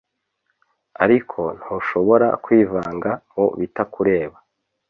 Ariko ntushobora kwivanga mu bitakureba